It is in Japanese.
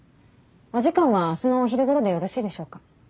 お時間は明日のお昼ごろでよろしいでしょうか？